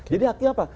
jadi hakim apa